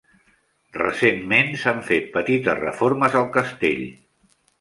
Recentment, s'han fet petites reformes al castell.